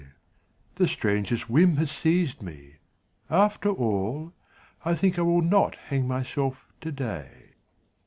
The strangest whim has seized me ... After all I think I will not hang myself today.